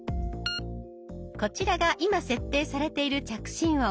こちらが今設定されている着信音。